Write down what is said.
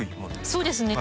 そうですね。